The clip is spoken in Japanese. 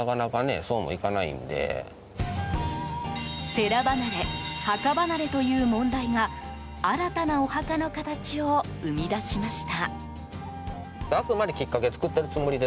寺離れ、墓離れという問題が新たなお墓の形を生み出しました。